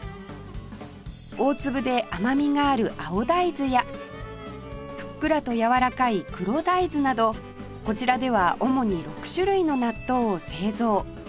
大粒で甘みがある青大豆やふっくらとやわらかい黒大豆などこちらでは主に６種類の納豆を製造